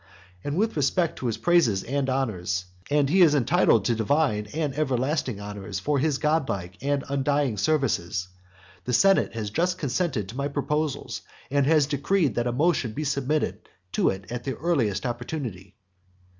And with respect to his praises and honours, and he is entitled to divine and everlasting honours for his godlike and undying services, the senate has just consented to my proposals, and has decreed that a motion be submitted to it at the very earliest opportunity.